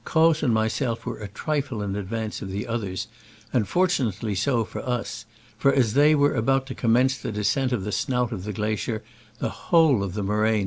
Croz and myself were a trifle in advance of the others, and fortunately so for us ; for as they were about to commence the descent of the snout of the glacier, the whole of the moraine that rested on its •Sec vol.